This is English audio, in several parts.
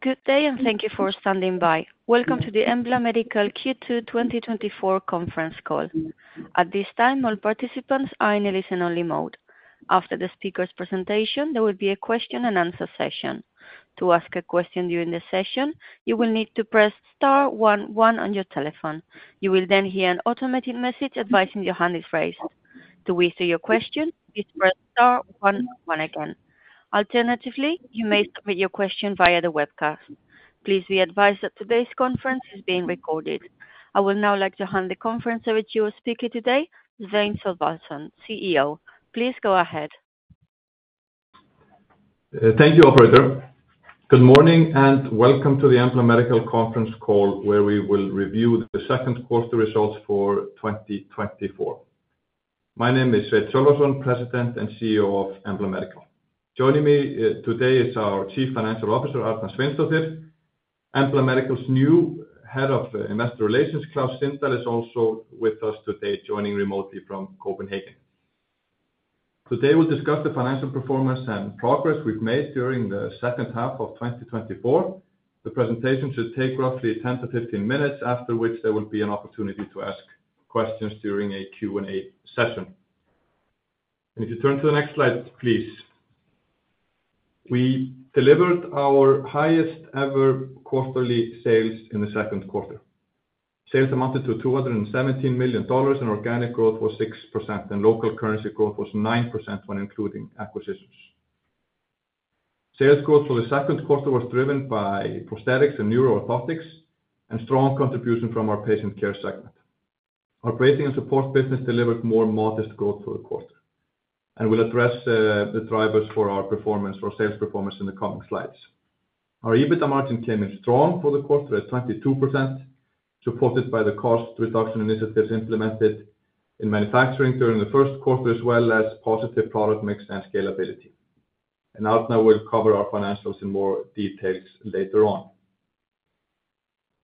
Good day and thank you for standing by. Welcome to the Embla Medical Q2 2024 conference call. At this time, all participants are in a listen-only mode. After the speaker's presentation, there will be a question and answer session. To ask a question during the session, you will need to press star one one on your telephone. You will then hear an automated message advising your hand is raised. To withdraw your question, please press star one one again. Alternatively, you may submit your question via the webcast. Please be advised that today's conference is being recorded. I would now like to hand the conference over to your speaker today, Sveinn Sölvason, CEO. Please go ahead. Thank you, operator. Good morning, and welcome to the Embla Medical conference call, where we will review the second quarter results for 2024. My name is Sveinn Sölvason, President and CEO of Embla Medical. Joining me today is our Chief Financial Officer, Arna Sveinsdóttir. Embla Medical's new Head of Investor Relations, Claus Sindal, is also with us today, joining remotely from Copenhagen. Today, we'll discuss the financial performance and progress we've made during the second half of 2024. The presentation should take roughly 10 to 15 minutes, after which there will be an opportunity to ask questions during a Q&A session. If you turn to the next slide, please. We delivered our highest ever quarterly sales in the second quarter. Sales amounted to $217 million, and organic growth was 6%, and local currency growth was 9% when including acquisitions. Sales growth for the second quarter was driven by prosthetics and neuro-orthotics, and strong contribution from our patient care segment. Our bracing and support business delivered more modest growth for the quarter, and will address, the drivers for our performance, for sales performance in the coming slides. Our EBITDA margin came in strong for the quarter at 22%, supported by the cost reduction initiatives implemented in manufacturing during the first quarter, as well as positive product mix and scalability. Arna will cover our financials in more details later on.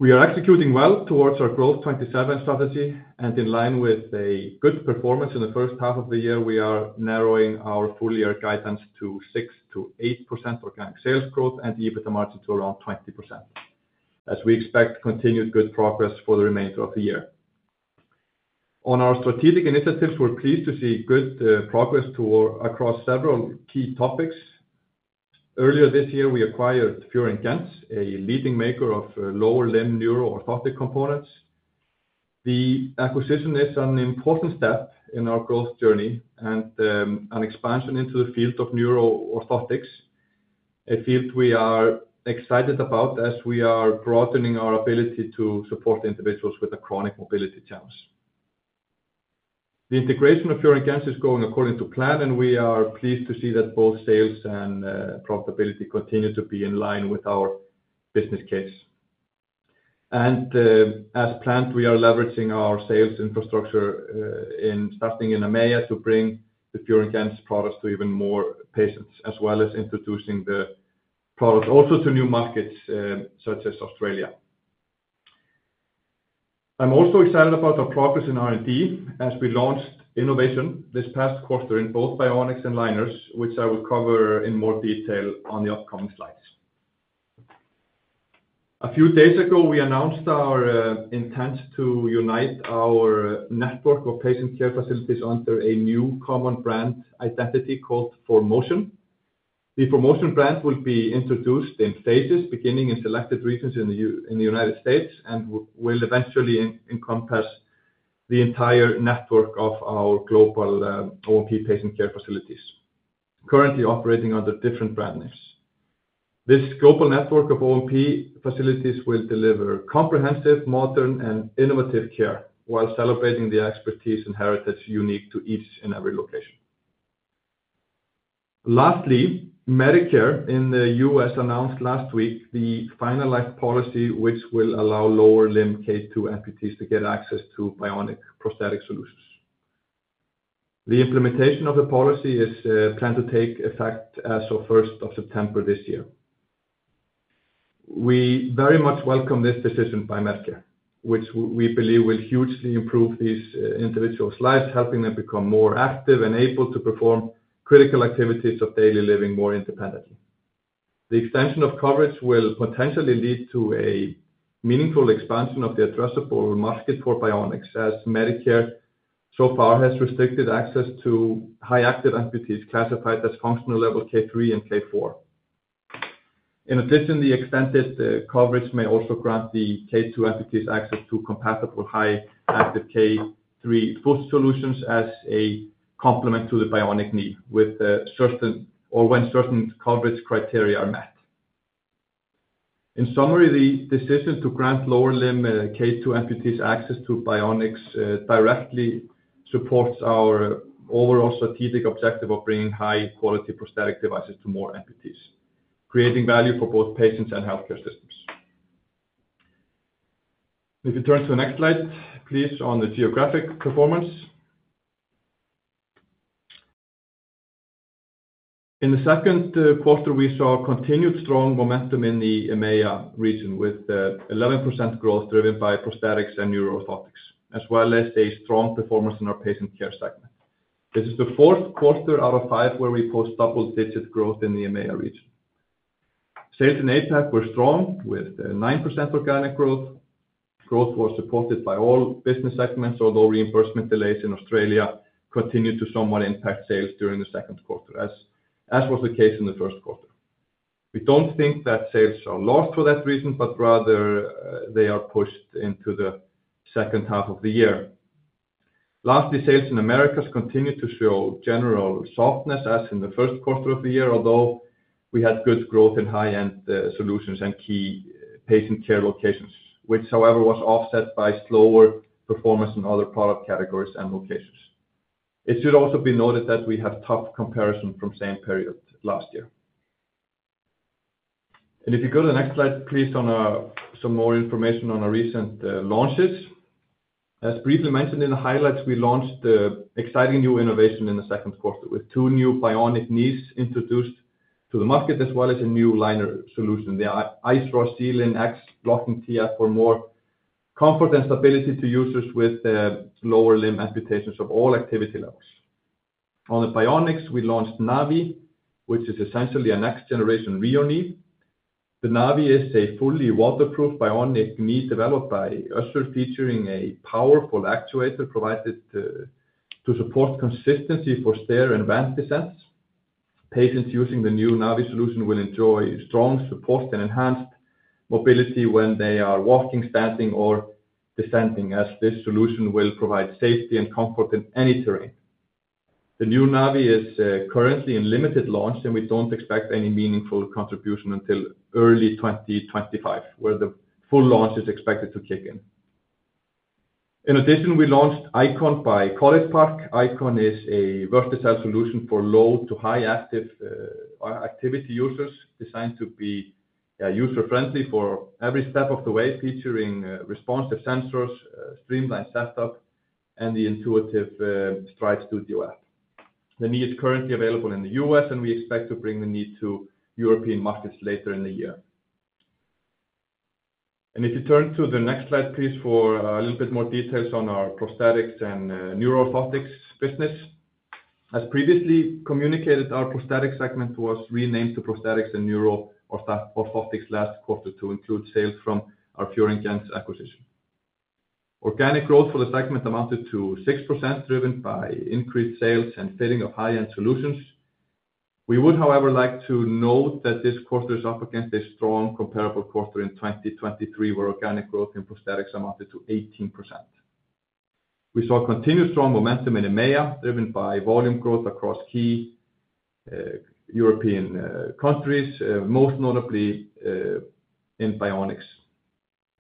We are executing well towards our Growth 2027 strategy and in line with a good performance in the first half of the year, we are narrowing our full year guidance to 6%-8% organic sales growth and EBITDA margin to around 20%, as we expect continued good progress for the remainder of the year. On our strategic initiatives, we're pleased to see good progress toward across several key topics. Earlier this year, we acquired Fior & Gentz, a leading maker of lower-limb neuro-orthotic components. The acquisition is an important step in our growth journey and an expansion into the field of neuro-orthotics. A field we are excited about as we are broadening our ability to support individuals with a chronic mobility challenge. The integration of Fior & Gentz is going according to plan, and we are pleased to see that both sales and profitability continue to be in line with our business case. As planned, we are leveraging our sales infrastructure in starting in EMEA to bring the Fior & Gentz products to even more patients, as well as introducing the product also to new markets, such as Australia. I'm also excited about our progress in R&D as we launched innovation this past quarter in both bionics and liners, which I will cover in more detail on the upcoming slides. A few days ago, we announced our intent to unite our network of patient care facilities under a new common brand identity called ForMotion. The ForMotion brand will be introduced in phases, beginning in selected regions in the United States, and will eventually encompass the entire network of our global O&P patient care facilities, currently operating under different brand names. This global network of O&P facilities will deliver comprehensive, modern, and innovative care, while celebrating the expertise and heritage unique to each and every location. Lastly, Medicare in the U.S. announced last week the finalized policy, which will allow lower limb K2 amputees to get access to bionic prosthetic solutions. The implementation of the policy is planned to take effect as of first of September this year. We very much welcome this decision by Medicare, which we believe will hugely improve these individuals' lives, helping them become more active and able to perform critical activities of daily living more independently. The extension of coverage will potentially lead to a meaningful expansion of the addressable market for bionics, as Medicare so far has restricted access to high active amputees classified as Functional level K3 and K4. In addition, the extended coverage may also grant the K2 amputees access to compatible high active K3 foot solutions as a complement to the bionic knee, with certain or when certain coverage criteria are met. In summary, the decision to grant lower limb K2 amputees access to bionics directly supports our overall strategic objective of bringing high quality prosthetic devices to more amputees, creating value for both patients and healthcare systems. If you turn to the next slide, please, on the geographic performance. In the second quarter, we saw continued strong momentum in the EMEA region, with 11% growth driven by prosthetics and neuro orthotics, as well as a strong performance in our patient care segment. This is the fourth quarter out of 5, where we post double-digit growth in the EMEA region. Sales in APAC were strong, with 9% organic growth. Growth was supported by all business segments, although reimbursement delays in Australia continued to somewhat impact sales during the second quarter, as was the case in the first quarter. We don't think that sales are lost for that reason, but rather, they are pushed into the second half of the year. Lastly, sales in Americas continued to show general softness, as in the first quarter of the year, although we had good growth in high-end solutions and key patient care locations, which, however, was offset by slower performance in other product categories and locations. It should also be noted that we have tough comparison from same period last year. If you go to the next slide, please, on some more information on our recent launches. As briefly mentioned in the highlights, we launched the exciting new innovation in the second quarter, with two new bionic knees introduced to the market, as well as a new liner solution. The Iceross Seal-In X Locking TF for more comfort and stability to users with lower limb amputations of all activity levels. On the bionics, we launched Navi, which is essentially a next-generation RHEO knee. The Navi is a fully waterproof bionic knee developed by Össur, featuring a powerful actuator provided to support consistency for stair and ramp descents. Patients using the new Navi solution will enjoy strong support and enhanced mobility when they are walking, standing, or descending, as this solution will provide safety and comfort in any terrain. The new Navi is currently in limited launch, and we don't expect any meaningful contribution until early 2025, where the full launch is expected to kick in. In addition, we launched Icon by College Park. Icon is a versatile solution for low to high active activity users, designed to be user-friendly for every step of the way, featuring responsive sensors, streamlined setup, and the intuitive Stride Studio app. The knee is currently available in the US, and we expect to bring the knee to European markets later in the year. If you turn to the next slide, please, for a little bit more details on our prosthetics and neuro-orthotics business. As previously communicated, our prosthetics segment was renamed to Prosthetics and Neuro-Orthotics last quarter to include sales from our Fior & Gentz acquisition. Organic growth for the segment amounted to 6%, driven by increased sales and selling of high-end solutions. We would, however, like to note that this quarter is up against a strong comparable quarter in 2023, where organic growth in prosthetics amounted to 18%. We saw continued strong momentum in EMEA, driven by volume growth across key European countries, most notably in bionics.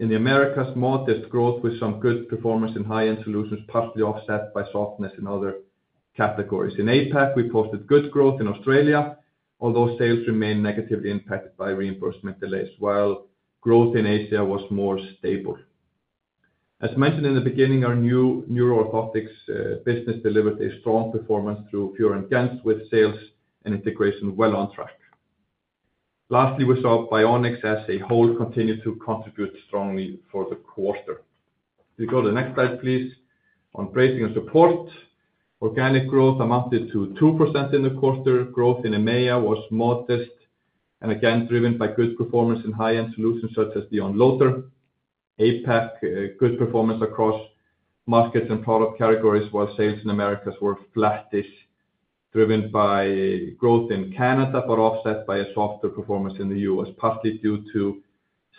In the Americas, modest growth with some good performance in high-end solutions, partly offset by softness in other categories. In APAC, we posted good growth in Australia, although sales remained negatively impacted by reimbursement delays, while growth in Asia was more stable. As mentioned in the beginning, our new neuro-orthotics business delivered a strong performance through Fior & Gentz, with sales and integration well on track. Lastly, we saw bionics as a whole continue to contribute strongly for the quarter. If you go to the next slide, please, on bracing and support. Organic growth amounted to 2% in the quarter. Growth in EMEA was modest and again, driven by good performance in high-end solutions such as the Unloader. APAC, good performance across markets and product categories, while sales in Americas were flattish, driven by growth in Canada, but offset by a softer performance in the U.S., partly due to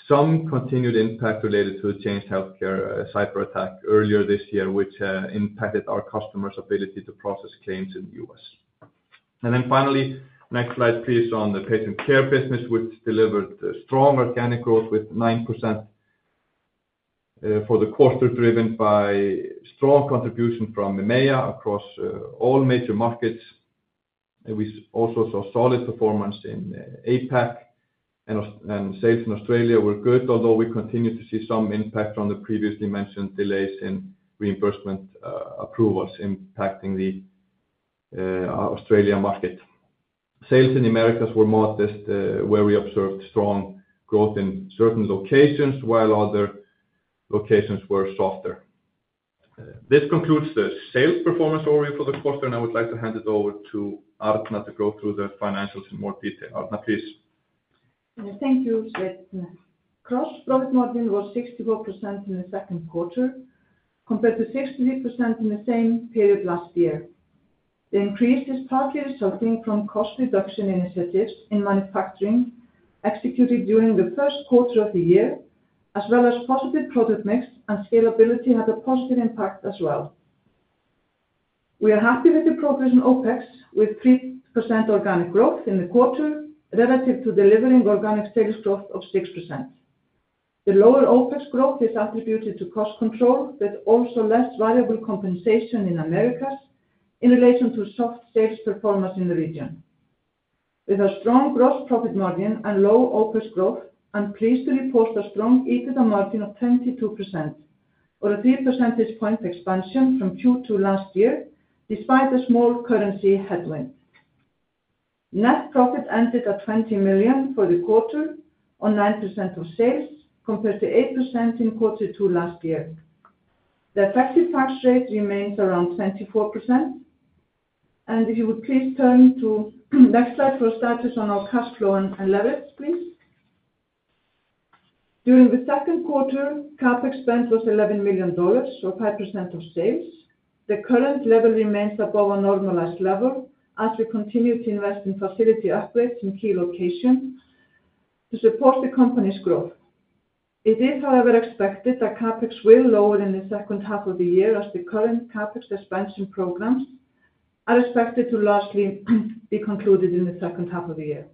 some continued impact related to a Change Healthcare cyberattack earlier this year, which impacted our customers' ability to process claims in the U.S. And then finally, next slide, please, on the patient care business, which delivered strong organic growth with 9% for the quarter, driven by strong contribution from EMEA across all major markets. And we also saw solid performance in APAC, and sales in Australia were good, although we continue to see some impact from the previously mentioned delays in reimbursement approvals impacting the Australia market. Sales in Americas were modest, where we observed strong growth in certain locations, while other locations were softer. This concludes the sales performance overview for the quarter, and I would like to hand it over to Arna to go through the financials in more detail. Arna, please. Thank you, Sveinn. Gross margin was 64% in the second quarter, compared to 60% in the same period last year. The increase is partly resulting from cost reduction initiatives in manufacturing, executed during the first quarter of the year, as well as positive product mix and scalability had a positive impact as well. We are happy with the progress in OpEx, with 3% organic growth in the quarter, relative to delivering organic sales growth of 6%. The lower OpEx growth is attributed to cost control, but also less variable compensation in Americas in relation to soft sales performance in the region. With a strong gross profit margin and low OpEx growth, I'm pleased to report a strong EBITDA margin of 22%, or a 3 percentage point expansion from Q2 last year, despite the small currency headwind. Net profit ended at $20 million for the quarter, or 9% of sales, compared to 8% in quarter two last year. The effective tax rate remains around 24%. If you would please turn to next slide for status on our cash flow and leverage, please. During the second quarter, CapEx spend was $11 million, or 5% of sales. The current level remains above our normalized level as we continue to invest in facility upgrades in key locations to support the company's growth. It is, however, expected that CapEx will lower in the second half of the year, as the current CapEx expansion programs are expected to largely be concluded in the second half of the year.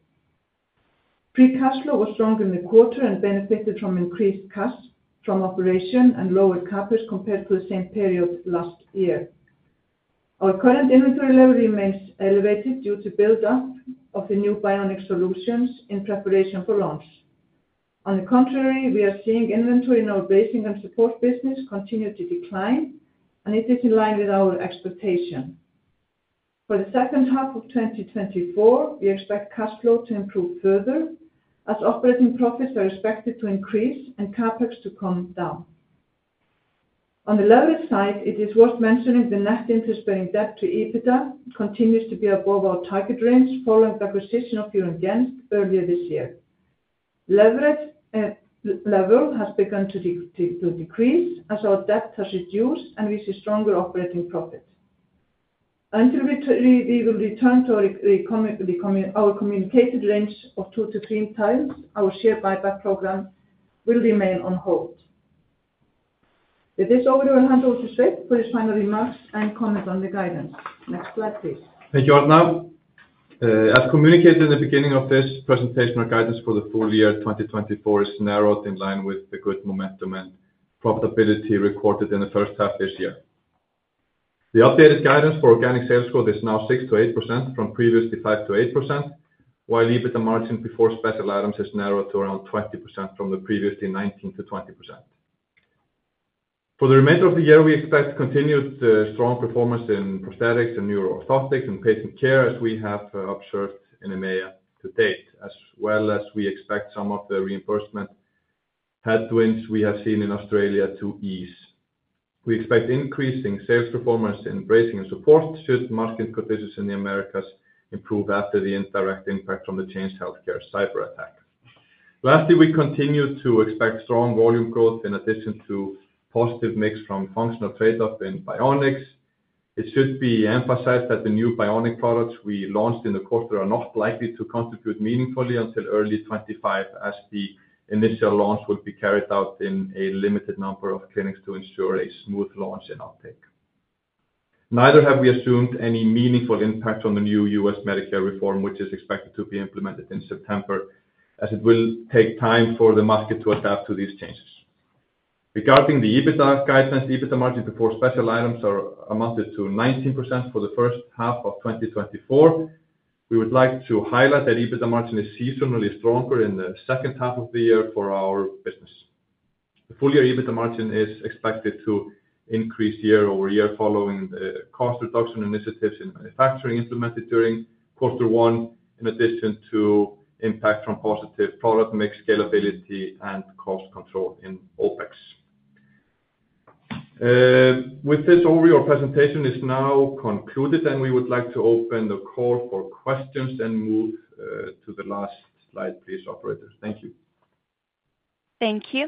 Free cash flow was strong in the quarter and benefited from increased cash from operation and lower CapEx compared to the same period last year. Our current inventory level remains elevated due to build-up of the new bionic solutions in preparation for launch. On the contrary, we are seeing inventory in our bracing and support business continue to decline, and it is in line with our expectation. For the second half of 2024, we expect cash flow to improve further as operating profits are expected to increase and CapEx to come down. On the leverage side, it is worth mentioning the net interest-bearing debt to EBITDA continues to be above our target range, following the acquisition of Fior & Gentz earlier this year. Leverage, level has begun to decrease as our debt has reduced, and we see stronger operating profits. Until we return to our communicated range of 2-3 times, our share buyback program will remain on hold. With this, over to Arna Sveinsdóttir for his final remarks and comment on the guidance. Next slide, please. Thank you, Arna. As communicated in the beginning of this presentation, our guidance for the full year 2024 is narrowed in line with the good momentum and profitability recorded in the first half this year. The updated guidance for organic sales growth is now 6%-8% from previously 5%-8%, while EBITDA margin before special items has narrowed to around 20% from the previously 19%-20%. For the remainder of the year, we expect continued strong performance in prosthetics and neuro-orthotics and patient care, as we have observed in EMEA to date, as well as we expect some of the reimbursement headwinds we have seen in Australia to ease. We expect increasing sales performance in bracing and support should market conditions in the Americas improve after the indirect impact from the Change Healthcare cyberattack. Lastly, we continue to expect strong volume growth in addition to positive mix from functional trade-off in bionics. It should be emphasized that the new bionic products we launched in the quarter are not likely to contribute meaningfully until early 2025, as the initial launch will be carried out in a limited number of clinics to ensure a smooth launch and uptake. Neither have we assumed any meaningful impact on the new U.S. Medicare reform, which is expected to be implemented in September, as it will take time for the market to adapt to these changes. Regarding the EBITDA guidance, EBITDA margin before special items are amounted to 19% for the first half of 2024. We would like to highlight that EBITDA margin is seasonally stronger in the second half of the year for our business. The full-year EBITDA margin is expected to increase year-over-year, following, cost reduction initiatives in manufacturing implemented during quarter one, in addition to impact from positive product mix scalability and cost control in OpEx. With this, overall presentation is now concluded, and we would like to open the call for questions and move, to the last slide, please, operator. Thank you. Thank you.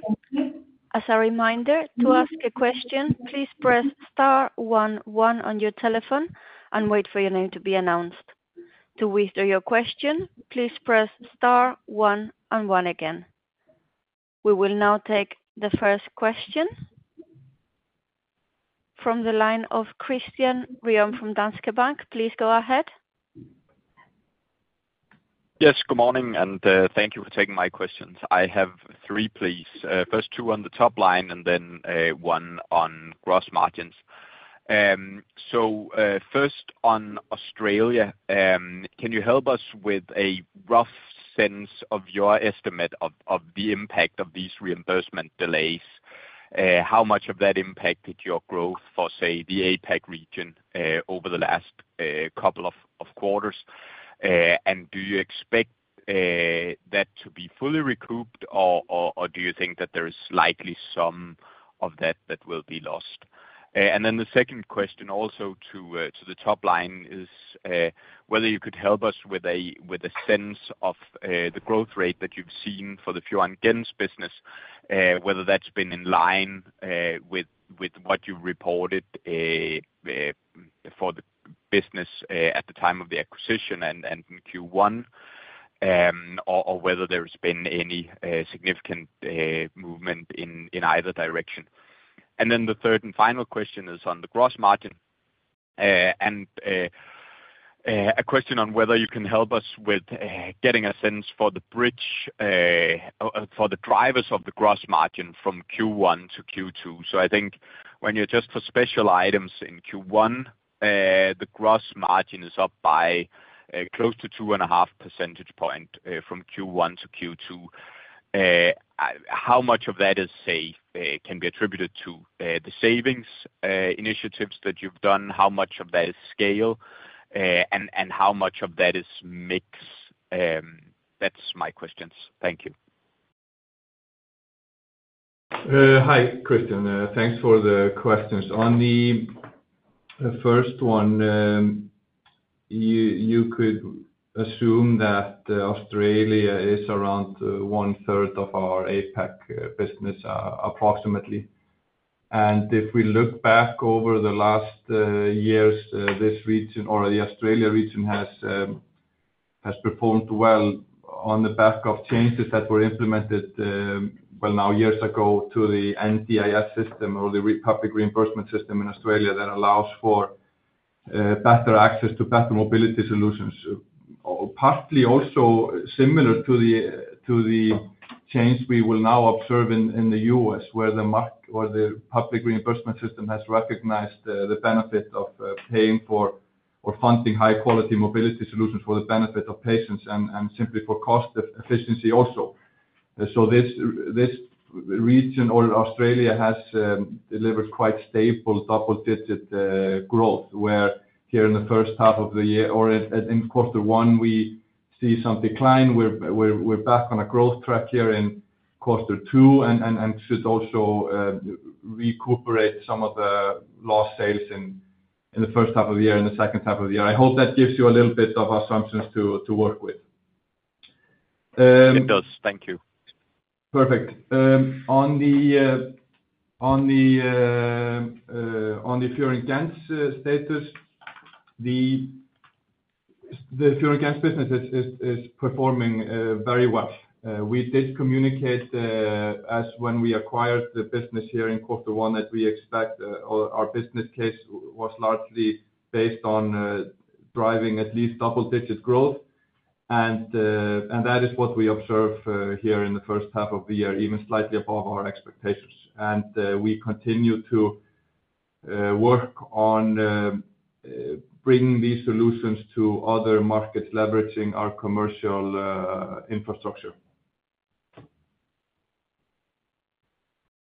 As a reminder, to ask a question, please press star one one on your telephone and wait for your name to be announced. To withdraw your question, please press star one and one again. We will now take the first question... from the line of Christian Ryom from Danske Bank. Please go ahead. Yes, good morning, and thank you for taking my questions. I have three, please. First two on the top line and then one on gross margins. So, first, on Australia, can you help us with a rough sense of your estimate of the impact of these reimbursement delays? How much of that impacted your growth for, say, the APAC region, over the last couple of quarters? And do you expect that to be fully recouped, or do you think that there is likely some of that that will be lost? And then the second question, also to, to the top line, is, whether you could help us with a, with a sense of, the growth rate that you've seen for the Fior & Gentz's business, whether that's been in line, with, with what you reported, for the business, at the time of the acquisition and, and in Q1, or, or whether there's been any, significant, movement in, in either direction. And then the third and final question is on the gross margin, and, a question on whether you can help us with, getting a sense for the bridge, for the drivers of the gross margin from Q1 to Q2. So I think when you adjust for special items in Q1, the gross margin is up by close to 2.5 percentage point from Q1 to Q2. How much of that is, say, can be attributed to the savings initiatives that you've done? How much of that is scale? And how much of that is mix? That's my questions. Thank you. Hi, Christian. Thanks for the questions. On the first one, you could assume that Australia is around one third of our APAC business, approximately. And if we look back over the last years, this region or the Australia region has performed well on the back of changes that were implemented, well, now, years ago to the NDIS system or the public reimbursement system in Australia, that allows for better access to better mobility solutions. Partly also similar to the change we will now observe in the U.S., where the public reimbursement system has recognized the benefit of paying for or funding high quality mobility solutions for the benefit of patients and simply for cost efficiency also. So this, this region or Australia has delivered quite stable double digit growth, where here in the first half of the year or in quarter one, we see some decline. We're back on a growth track here in quarter two and should also recuperate some of the lost sales in the first half of the year, in the second half of the year. I hope that gives you a little bit of assumptions to work with. It does. Thank you. Perfect. On the Fior & Gentz status, the Fior & Gentz business is performing very well. We did communicate, as when we acquired the business here in quarter one, that we expect our business case was largely based on driving at least double digit growth. That is what we observe here in the first half of the year, even slightly above our expectations. We continue to work on bringing these solutions to other markets, leveraging our commercial infrastructure.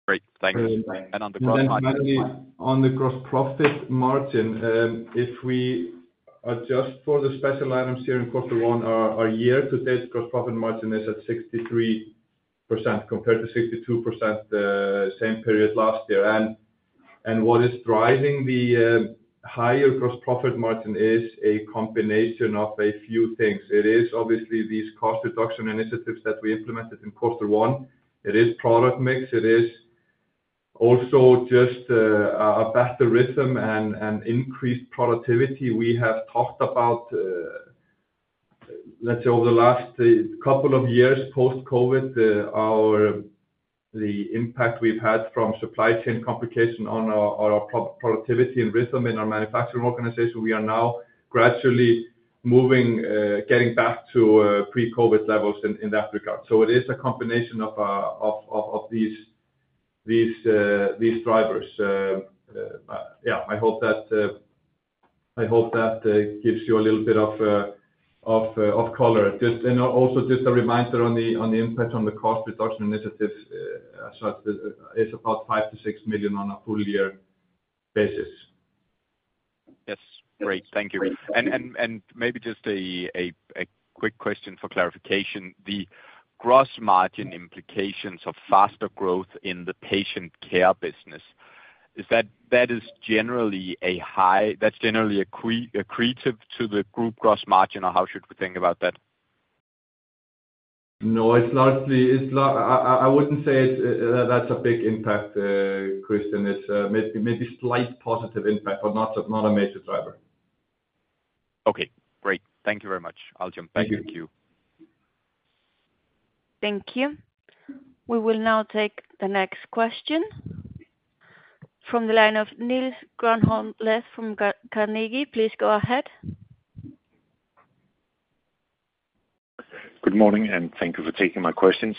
Great. Thank you. And on the gross margin? Then finally, on the gross profit margin, if we adjust for the special items here in quarter one, our year to date gross profit margin is at 63%, compared to 62%, same period last year. What is driving the higher gross profit margin is a combination of a few things. It is obviously these cost reduction initiatives that we implemented in quarter one. It is product mix. It is also just a better rhythm and increased productivity. We have talked about, let's say, over the last couple of years, post-COVID, the impact we've had from supply chain complication on our productivity and rhythm in our manufacturing organization. We are now gradually moving, getting back to pre-COVID levels in that regard. So it is a combination of these drivers. Yeah, I hope that gives you a little bit of color. Just, and also just a reminder on the impact on the cost reduction initiative, so it's about $5 million-$6 million on a full year basis. Yes. Great, thank you. Great. Maybe just a quick question for clarification: the gross margin implications of faster growth in the patient care business, is that generally accretive to the group gross margin, or how should we think about that? No, it's largely, it's not. I wouldn't say that's a big impact, Christian. It's maybe a slight positive impact, but not a major driver. Okay, great. Thank you very much, I'll jump back in the queue. Thank you. We will now take the next question from the line of Niels Granholm-Leth from Carnegie. Please go ahead. Good morning, and thank you for taking my questions.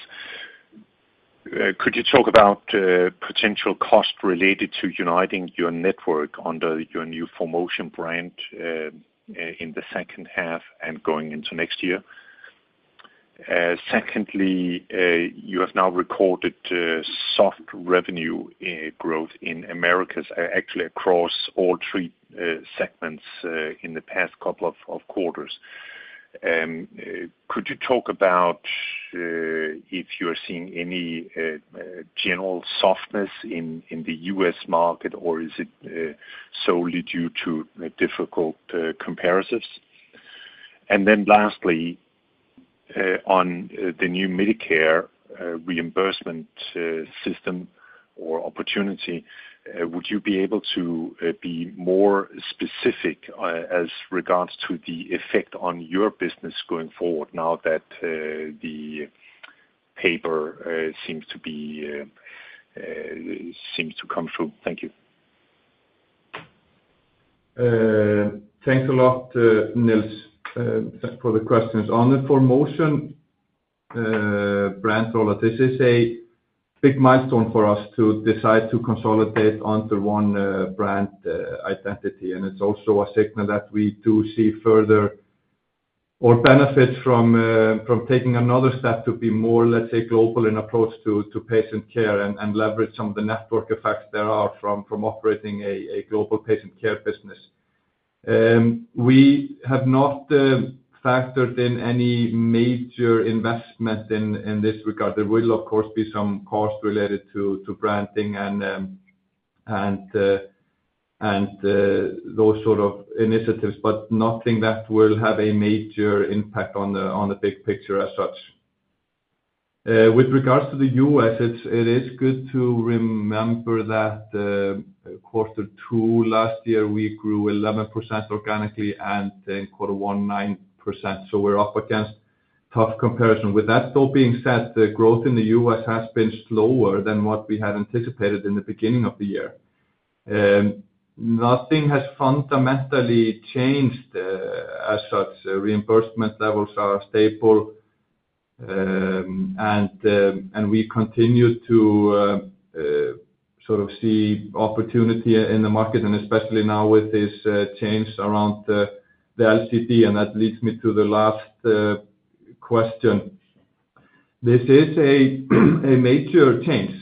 Could you talk about potential costs related to uniting your network under your new ForMotion brand in the second half and going into next year? Secondly, you have now recorded soft revenue growth in Americas, actually across all three segments, in the past couple of quarters. Could you talk about if you're seeing any general softness in the US market, or is it solely due to difficult comparisons? And then lastly, on the new Medicare reimbursement system or opportunity, would you be able to be more specific as regards to the effect on your business going forward now that the paper seems to come through? Thank you. Thanks a lot, Niels, for the questions. On the ForMotion brand rollout, this is a big milestone for us to decide to consolidate onto one brand identity. And it's also a signal that we do see further benefit from taking another step to be more, let's say, global in approach to patient care and leverage some of the network effects there are from operating a global patient care business. We have not factored in any major investment in this regard. There will, of course, be some cost related to branding and those sort of initiatives, but nothing that will have a major impact on the big picture as such. With regards to the US, it is good to remember that quarter two last year, we grew 11% organically, and then quarter one, 9%. So we're up against tough comparison. With that though being said, the growth in the US has been slower than what we had anticipated in the beginning of the year. Nothing has fundamentally changed as such. Reimbursement levels are stable, and we continue to sort of see opportunity in the market, and especially now with this change around the LCD. And that leads me to the last question. This is a major change,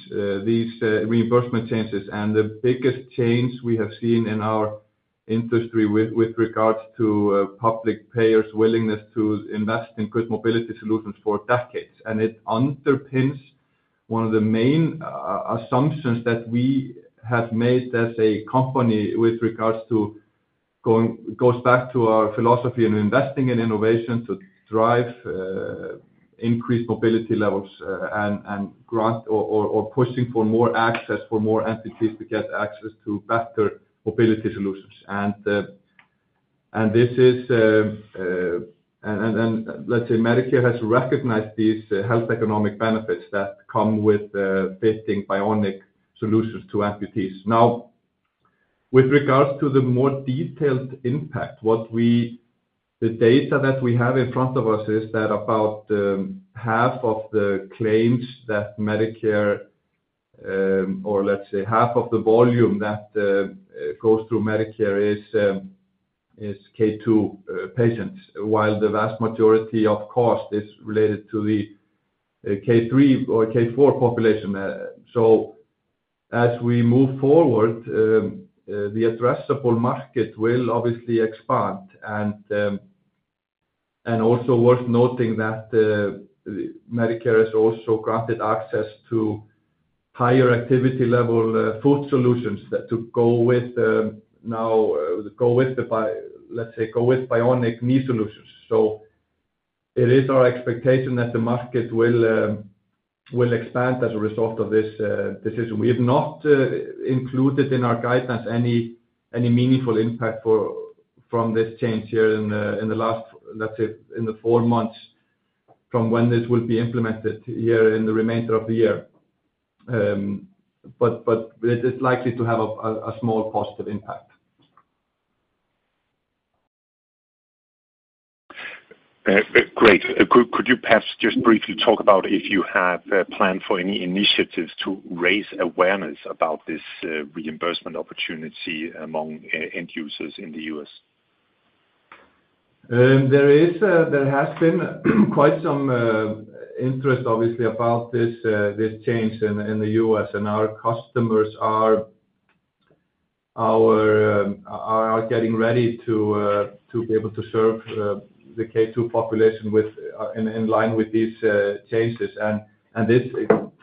these reimbursement changes, and the biggest change we have seen in our industry with regards to public payers' willingness to invest in good mobility solutions for decades. It underpins one of the main assumptions that we have made as a company with regards to. It goes back to our philosophy and investing in innovation to drive increased mobility levels, and granting or pushing for more access for more entities to get access to better mobility solutions. And this is, let's say, Medicare has recognized these health economic benefits that come with fitting bionic solutions to amputees. Now, with regards to the more detailed impact, the data that we have in front of us is that about half of the claims that Medicare, or let's say, half of the volume that goes through Medicare is K2 patients, while the vast majority of cost is related to the K3 or K4 population. So as we move forward, the addressable market will obviously expand. Also worth noting that Medicare has also granted access to higher activity level foot solutions that go with bionic knee solutions. So it is our expectation that the market will expand as a result of this decision. We have not included in our guidance any meaningful impact from this change here in the last, let's say, four months from when this will be implemented here in the remainder of the year. But it is likely to have a small positive impact. Great. Could you perhaps just briefly talk about if you have a plan for any initiatives to raise awareness about this reimbursement opportunity among end users in the U.S.? There has been quite some interest, obviously, about this change in the U.S., and our customers are getting ready to be able to serve the K2 population in line with these changes. This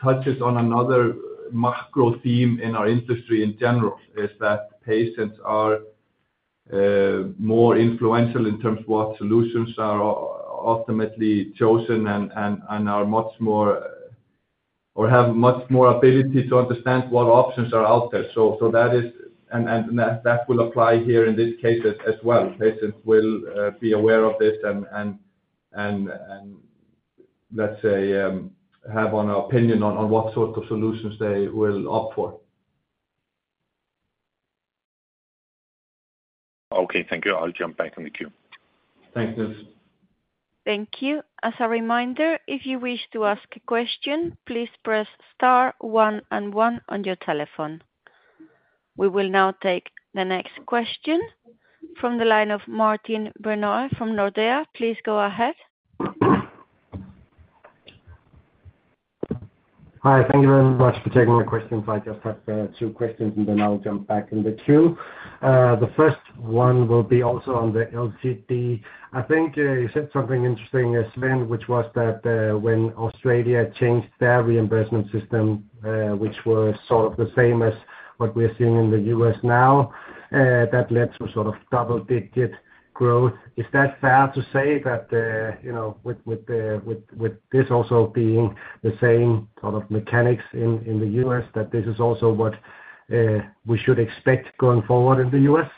touches on another macro theme in our industry in general, is that patients are more influential in terms of what solutions are ultimately chosen and are much more, or have much more ability to understand what options are out there. That is... That will apply here in this case as well. Patients will be aware of this and, let's say, have an opinion on what sort of solutions they will opt for. Okay, thank you. I'll jump back on the queue. Thanks, Chris. Thank you. As a reminder, if you wish to ask a question, please press star one and one on your telephone. We will now take the next question from the line of Martin Brenøe from Nordea. Please go ahead. Hi. Thank you very much for taking my questions. I just have two questions, and then I'll jump back in the queue. The first one will be also on the LCD. I think you said something interesting, Sveinn, which was that when Australia changed their reimbursement system, which was sort of the same as what we're seeing in the U.S. now, that led to sort of double-digit growth. Is that fair to say that you know, with this also being the same sort of mechanics in the U.S., that this is also what we should expect going forward in the U.S.?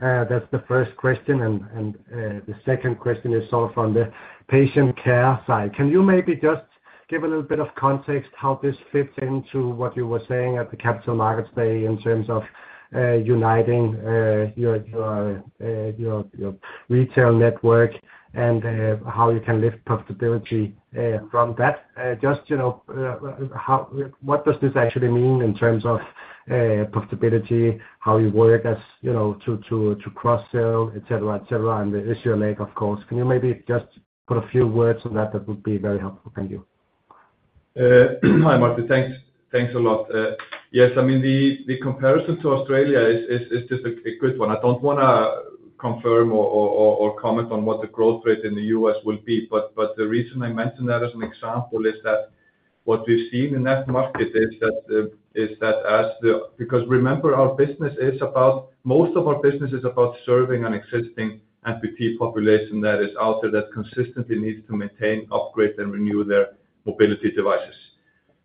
That's the first question, and the second question is sort of on the patient care side. Can you maybe just give a little bit of context how this fits into what you were saying at the Capital Markets Day in terms of uniting your retail network and how you can lift profitability from that. Just, you know, how, what does this actually mean in terms of profitability, how you work as, you know, to cross-sell, et cetera, et cetera, and the issue of legacy, of course? Can you maybe just put a few words on that? That would be very helpful. Thank you. Hi, Marty. Thanks. Thanks a lot. Yes, I mean, the comparison to Australia is just a good one. I don't wanna confirm or comment on what the growth rate in the US will be, but the reason I mentioned that as an example is that what we've seen in that market is that as the, because remember, our business is about, most of our business is about serving an existing amputee population that is out there that consistently needs to maintain, upgrade, and renew their mobility devices.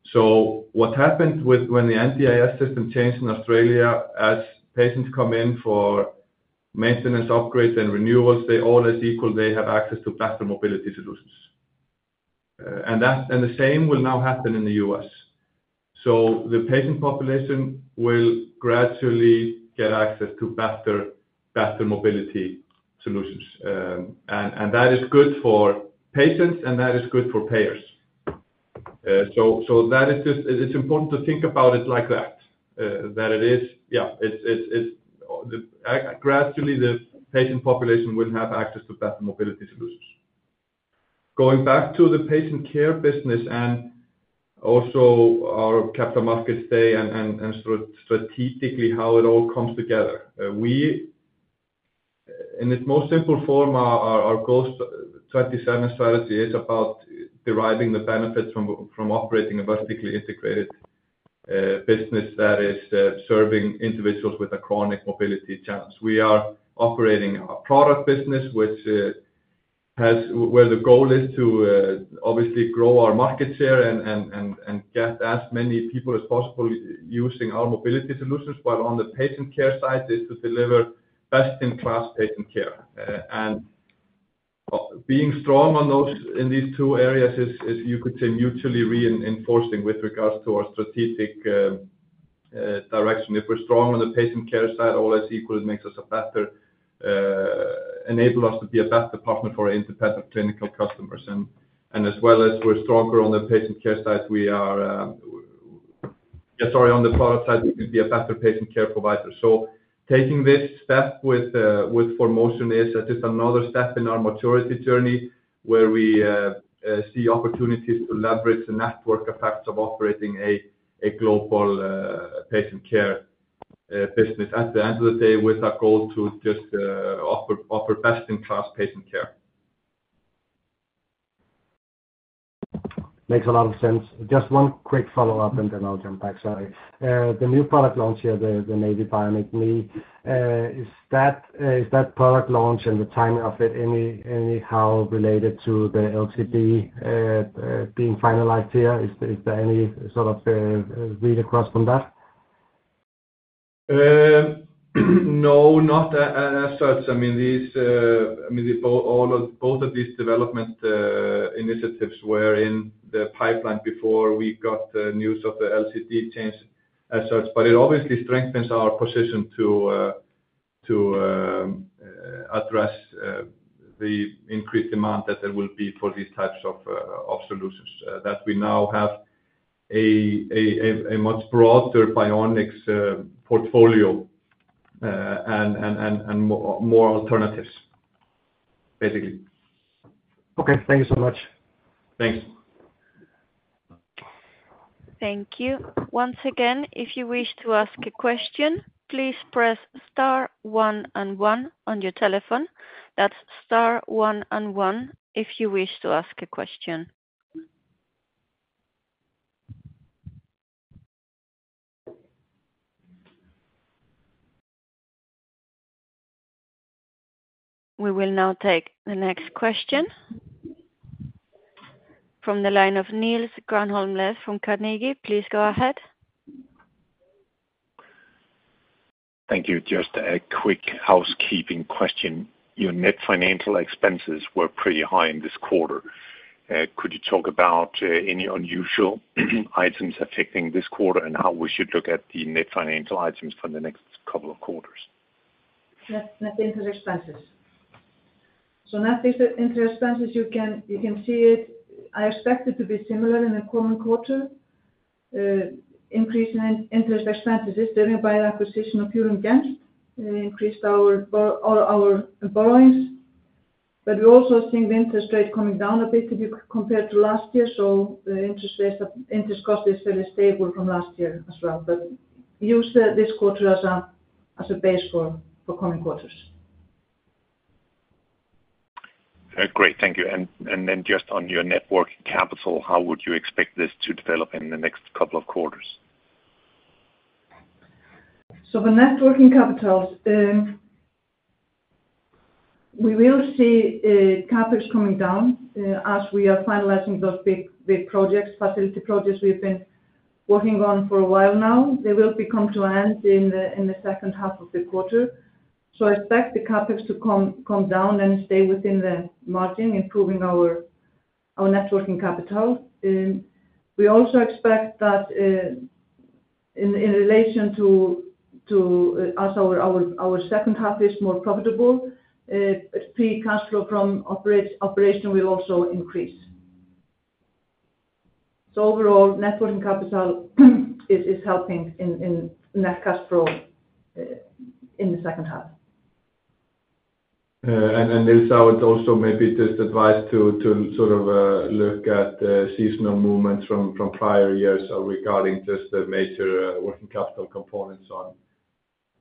So what happened when the NDIS system changed in Australia, as patients come in for maintenance, upgrades, and renewals, they all is equal, they have access to better mobility solutions. And the same will now happen in the US. So the patient population will gradually get access to better, better mobility solutions. And that is good for patients, and that is good for payers. So that is just... It's important to think about it like that, that it is, yeah, it's gradually, the patient population will have access to better mobility solutions. Going back to the patient care business and also our capital markets day and strategically, how it all comes together. In its most simple form, our Goal 27 strategy is about deriving the benefits from operating a vertically integrated business that is serving individuals with a chronic mobility challenge. We are operating a product business, which has, where the goal is to obviously grow our market share and get as many people as possible using our mobility solutions. But on the patient care side, is to deliver best-in-class patient care. And being strong on those, in these two areas is, you could say, mutually reinforcing with regards to our strategic direction. If we're strong on the patient care side, all that's equal, it makes us a better enable us to be a better partner for our independent clinical customers. And as well as we're stronger on the patient care side, we are. Sorry, on the product side, we can be a better patient care provider. So taking this step with ForMotion is just another step in our maturity journey, where we see opportunities to leverage the network effects of operating a global patient care business. At the end of the day, with our goal to just offer best-in-class patient care. Makes a lot of sense. Just one quick follow-up, and then I'll jump back. Sorry. The new product launch here, the Navi Bionic Knee, is that product launch and the timing of it anyhow related to the LCD being finalized here? Is there any sort of read across from that? No, not as such. I mean, these, I mean, both of these development initiatives were in the pipeline before we got the news of the LCD change as such. But it obviously strengthens our position to address the increased demand that there will be for these types of solutions. That we now have a much broader Bionics portfolio and more alternatives, basically. Okay, thank you so much. Thanks. Thank you. Once again, if you wish to ask a question, please press star one and one on your telephone. That's star one and one, if you wish to ask a question. We will now take the next question from the line of Niels Granholm-Leth from Carnegie. Please go ahead. Thank you. Just a quick housekeeping question. Your net financial expenses were pretty high in this quarter. Could you talk about any unusual items affecting this quarter and how we should look at the net financial items for the next couple of quarters? Net interest expenses. So net interest expenses, you can see it. I expect it to be similar in the coming quarter. Increase in interest expenses is driven by an acquisition of Fior & Gentz, which increased all our borrowings. But we're also seeing the interest rate coming down a bit compared to last year, so the interest cost is fairly stable from last year as well. But use this quarter as a base for coming quarters. Great. Thank you. And then just on your net working capital, how would you expect this to develop in the next couple of quarters? So the net working capital, we will see CapEx coming down as we are finalizing those big, big projects, facility projects we've been working on for a while now. They will come to an end in the second half of the quarter. So I expect the CapEx to come down and stay within the margin, improving our net working capital. We also expect that in relation to as our second half is more profitable, free cash flow from operation will also increase. So overall, net working capital is helping in net cash flow in the second half. Niels, I would also maybe just advise to sort of look at the seasonal movements from prior years regarding just the major working capital components on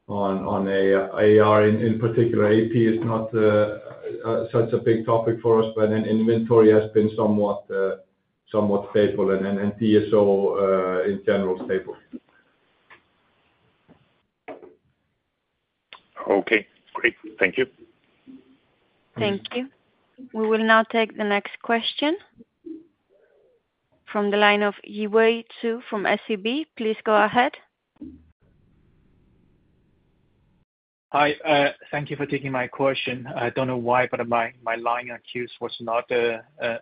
AR in particular. AP is not such a big topic for us, but inventory has been somewhat stable, and DSO in general stable. Okay, great. Thank you. Thank you. We will now take the next question from the line of Yiwei Zhou from SEB. Please go ahead. Hi, thank you for taking my question. I don't know why, but my line of Qs was not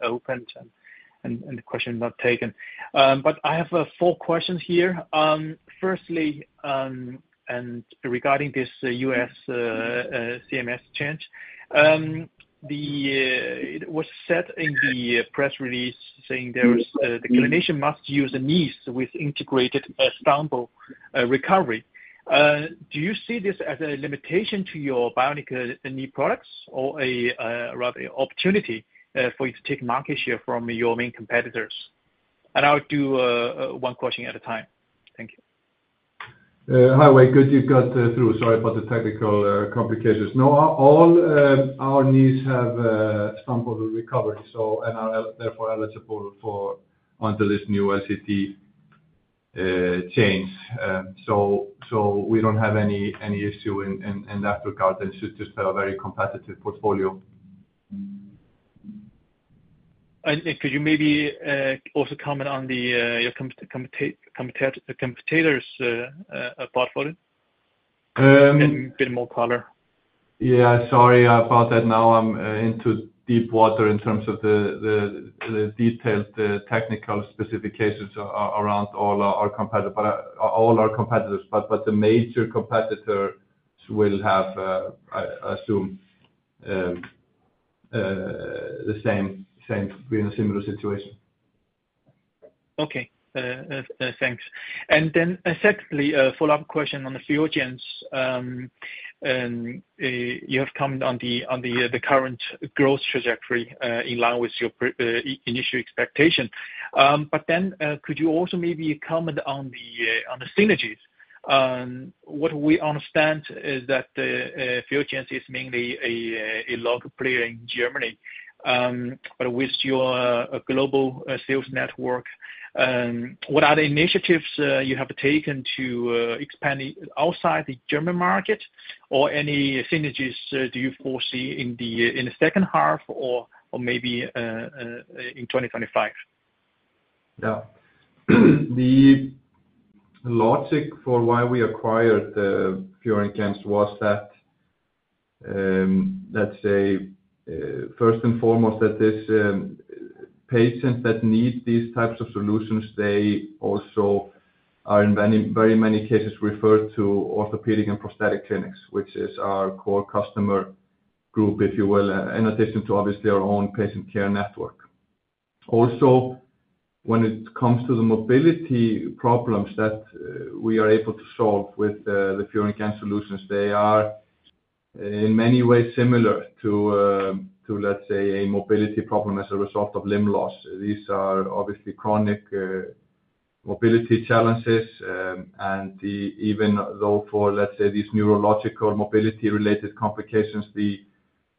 opened, and the question not taken. But I have four questions here. Firstly, regarding this U.S. CMS change, it was said in the press release saying there is, the clinician must use a knee with integrated stumble recovery. Do you see this as a limitation to your bionic knee products or a rather opportunity for you to take market share from your main competitors? And I'll do one question at a time. Thank you. Hi, Wei. Good, you got through. Sorry about the technical complications. No, all our knees have stumble recovery, so and are therefore eligible under this new LCD change. So, we don't have any issue in that regard, and should just have a very competitive portfolio. Could you maybe also comment on your competitors' portfolio? Um- In a bit more color. Yeah, sorry about that. Now I'm into deep water in terms of the detailed technical specifications around all our competitor, all our competitors. But the major competitors will have, I assume, the same, be in a similar situation. Okay. Thanks. And then secondly, a follow-up question on the Fior & Gentz. You have commented on the current growth trajectory in line with your prior initial expectation. But then, could you also maybe comment on the synergies? What we understand is that the Fior & Gentz is mainly a local player in Germany. But with your global sales network, what are the initiatives you have taken to expand outside the German market? Or any synergies do you foresee in the second half or maybe in 2025? Yeah. The logic for why we acquired the Fior & Gentz was that, let's say, first and foremost, that this, patients that need these types of solutions, they also are in many, very many cases, referred to orthopedic and prosthetic clinics, which is our core customer group, if you will, in addition to obviously our own patient care network. Also, when it comes to the mobility problems that, we are able to solve with the, the Fior & Gentz solutions, they are in many ways similar to, to, let's say, a mobility problem as a result of limb loss. These are obviously chronic, mobility challenges, and even though for, let's say, these neurological mobility-related complications, the,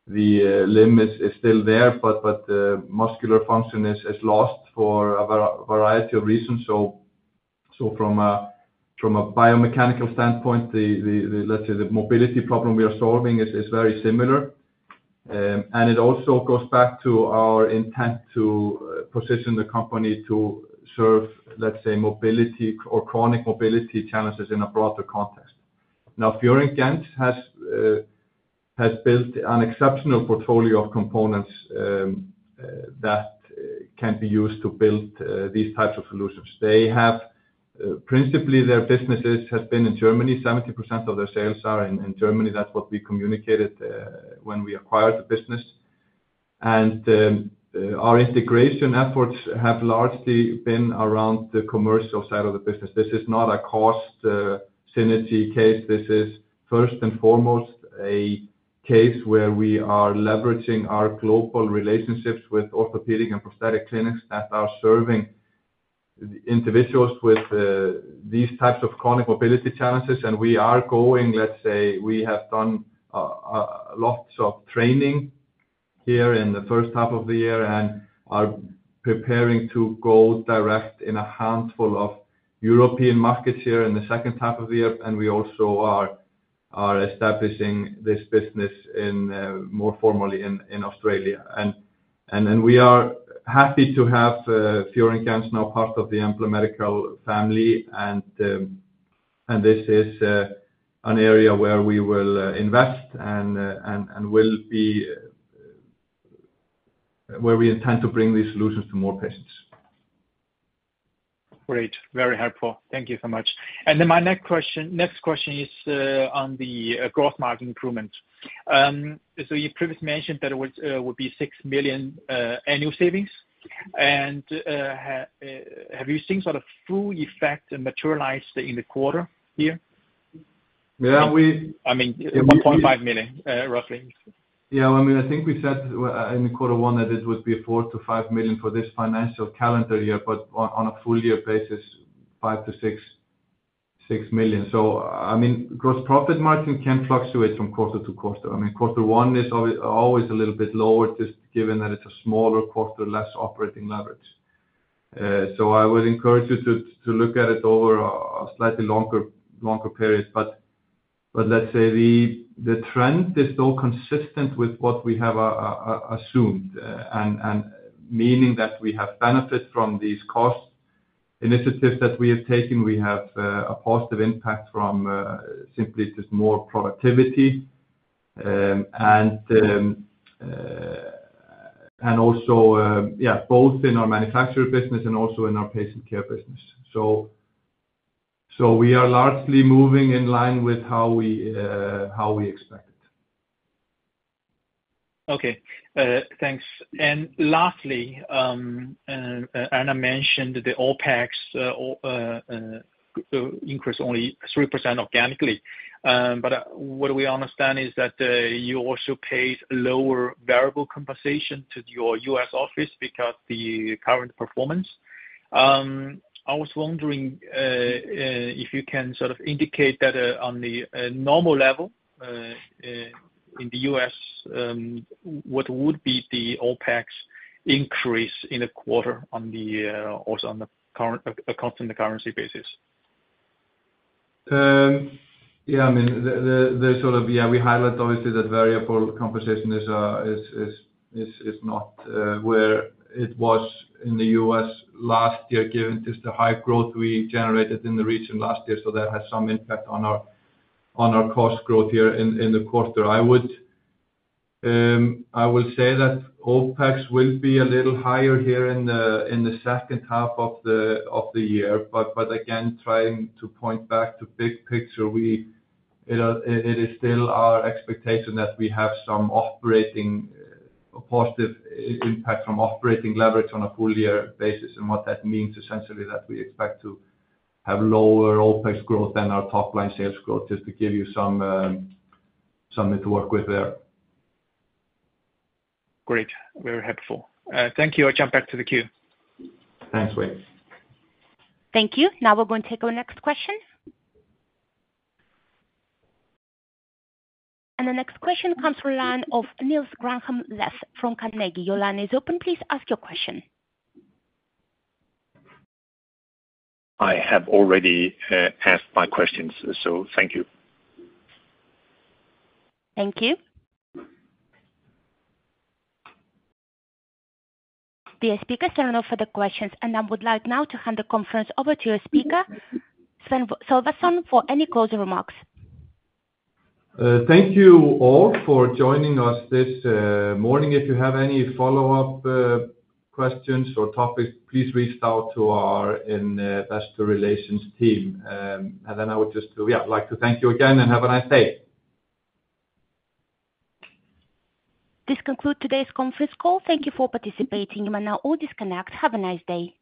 the, limb is, is still there, but, but the muscular function is, is lost for a variety of reasons. From a biomechanical standpoint, let's say, the mobility problem we are solving is very similar. And it also goes back to our intent to position the company to serve, let's say, mobility or chronic mobility challenges in a broader context. Now, Fior & Gentz has built an exceptional portfolio of components that can be used to build these types of solutions. They have principally their businesses has been in Germany. 70% of their sales are in Germany. That's what we communicated when we acquired the business. And our integration efforts have largely been around the commercial side of the business. This is not a cost synergy case. This is first and foremost a case where we are leveraging our global relationships with orthopedic and prosthetic clinics that are serving individuals with these types of chronic mobility challenges. We are going, let's say, we have done lots of training here in the first half of the year and are preparing to go direct in a handful of European markets here in the second half of the year. We also are establishing this business in more formally in Australia. We are happy to have Fior & Gentz now part of the Embla Medical family. This is an area where we will invest and will be where we intend to bring these solutions to more patients. Great. Very helpful. Thank you so much. And then my next question is on the gross margin improvement. So you previously mentioned that it would be $6 million annual savings. And have you seen sort of full effect materialize in the quarter here? Yeah, we- I mean, $1.5 million, roughly. Yeah, I mean, I think we said in quarter one that it would be $4 million-$5 million for this financial calendar year, but on a full year basis, $5 million-$6.6 million. So I mean, gross profit margin can fluctuate from quarter to quarter. I mean, quarter one is always a little bit lower, just given that it's a smaller quarter, less operating leverage. So I would encourage you to look at it over a slightly longer period. But let's say the trend is still consistent with what we have assumed, and meaning that we have benefit from these cost initiatives that we have taken. We have a positive impact from simply just more productivity. And also, yeah, both in our manufacturer business and also in our patient care business. So we are largely moving in line with how we expected. Okay, thanks. And lastly, Anna mentioned the OpEx increase only 3% organically. But what we understand is that you also paid lower variable compensation to your U.S. office because the current performance. I was wondering if you can sort of indicate that on the normal level in the U.S. what would be the OpEx increase in the quarter on the also on the current constant currency basis? Yeah, I mean, we highlight obviously that variable compensation is not where it was in the U.S. last year, given just the high growth we generated in the region last year. So that has some impact on our cost growth here in the quarter. I would, I will say that OpEx will be a little higher here in the second half of the year. But again, trying to point back to big picture, it is still our expectation that we have some operating positive impact from operating leverage on a full year basis. And what that means, essentially, that we expect to have lower OpEx growth than our top-line sales growth, just to give you some something to work with there. Great. Very helpful. Thank you. I'll jump back to the queue. Thanks, Wei. Thank you. Now we're going to take our next question. The next question comes from the line of Niels Granholm-Leth from Carnegie. Your line is open. Please ask your question. I have already asked my questions, so thank you. Thank you. The speakers are now for the questions, and I would like now to hand the conference over to your speaker, Sveinn Sölvason, for any closing remarks. Thank you all for joining us this morning. If you have any follow-up questions or topics, please reach out to our investor relations team. Then I would just like to thank you again, and have a nice day. This concludes today's conference call. Thank you for participating. You may now all disconnect. Have a nice day.